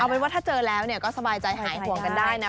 เป็นว่าถ้าเจอแล้วก็สบายใจหายห่วงกันได้นะ